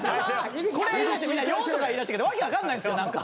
「よっ」とか言いだしたけど訳分かんないんすよ何か。